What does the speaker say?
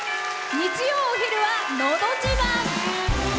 日曜お昼は「のど自慢」。